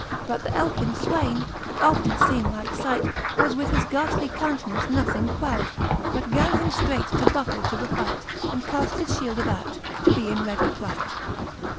But th'elfin fwaine, that oft had leene like fight. Was with his ghaftly count'nance nothing queld. But gan him ftreight to buckle to the fight, And caft his fhield about, to be in readie plight.